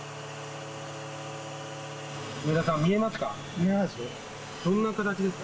植田さん見えますか？